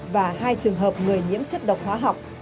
và hai trường hợp người nhiễm chất độc hóa học